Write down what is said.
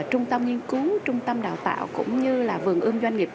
là trung tâm nghiên cứu trung tâm đào tạo cũng như là vườn ưm doanh nghiệp